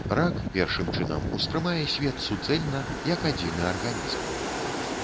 Рак, першым чынам, успрымае свет суцэльна, як адзіны арганізм.